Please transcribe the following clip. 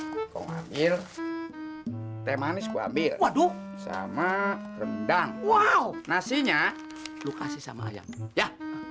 kau ngambil teh manis gua ambil waduh sama rendang wow nasinya lu kasih sama ayam ya